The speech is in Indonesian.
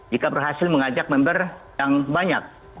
jika berhasil mengajak member yang banyak